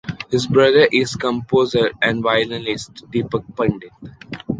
His brother is composer and violinist Deepak Pandit.